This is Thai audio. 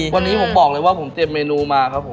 วันนี้ผมบอกเลยว่าผมเตรียมเมนูมาครับผม